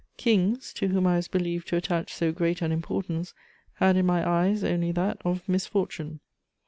Kings, to whom I was believed to attach so great an importance, had in my eyes only that of misfortune.